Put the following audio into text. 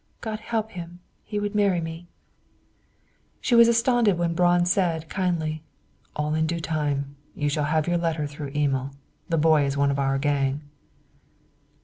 God help him; he would marry me!" She was astounded when Braun said, kindly, "All in due time. You shall have your letter through Emil. The boy is one of our gang!"